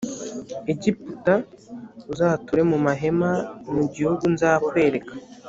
egiputa uzature mu mahema mu gihugu nzakwereka